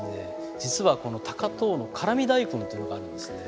実はこの高遠の辛味大根というのがあるんですね。